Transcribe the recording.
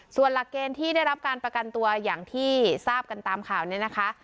ส่วนหลักเกณฑ์ที่ได้รับการประกันตัวอย่างที่ทราบกันตามข่าวนี้นะคะ